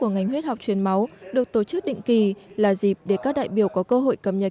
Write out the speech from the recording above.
đây là hội huyết học truyền máu truyền máu truyền máu được tổ chức định kỳ là dịp để các đại biểu có cơ hội cập nhật